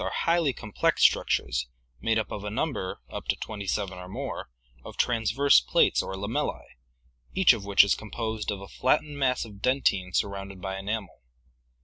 192) are highly complex structures made up of a number, up to twenty seven or more, of transverse plates or lamella;, each of which is composed of a flattened mass of dentine surrounded by enamel.